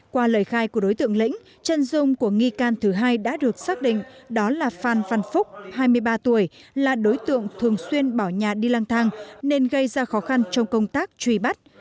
qua lời khai của đối tượng lĩnh chân dung của nghi can thứ hai đã được xác định đó là phan văn phúc hai mươi ba tuổi là đối tượng thường xuyên bỏ nhà đi lang thang nên gây ra khó khăn trong công tác truy bắt